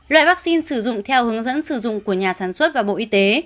loại vaccine sử dụng theo hướng dẫn sử dụng của nhà sản xuất và bộ y tế